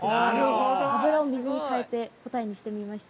油を水に変えて答えにしてみました。